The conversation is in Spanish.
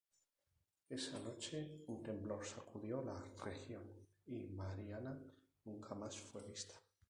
Esa noche, un temblor sacudió la región y Mariana nunca más fue vista.